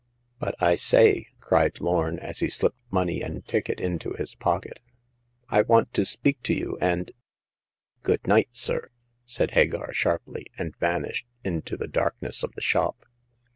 " But I say," cried Lorn, as he slipped money and ticket into his pocket, *^ I want to speak to you, and "" Good night, sir," said Hagar, sharply, and van ished into the darkness of the shop.